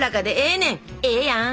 ええやん！